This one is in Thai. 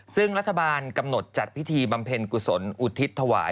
ซึ่งรัฐบาลกำหนดจัดพิธีบำเพ็ญกุศลอุทิศถวาย